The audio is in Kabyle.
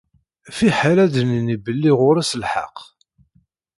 Fiḥel ad d-nini belli ɣur-s lḥeqq.